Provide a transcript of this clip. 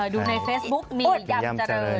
ดูในเฟซบุ๊กนี่ยำเจริญ